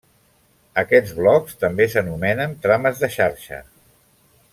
Aquests blocs també s'anomenen trames de xarxa.